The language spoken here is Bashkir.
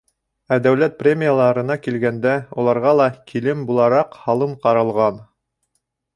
Ә дәүләт премияларына килгәндә, уларға ла, килем булараҡ, һалым ҡаралған.